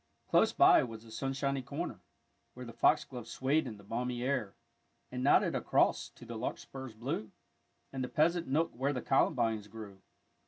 Close by was the sunshiny corner, where The foxgloves swayed in the balmy air, And nodded across to the larkspurs blue, And the pleasant nook where the columbines grew.